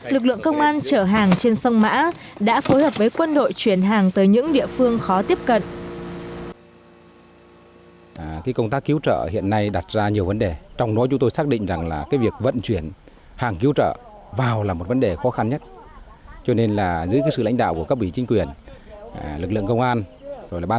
lực lượng công an chở hàng trên sông mã đã phối hợp với quân đội